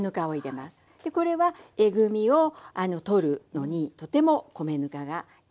これはえぐみを取るのにとても米ぬかがいい。